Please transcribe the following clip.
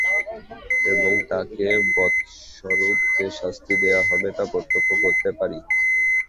এবং তাকে বদস্বরূপ যে শাস্তি দেওয়া হবে তা প্রত্যক্ষ করতে পারে।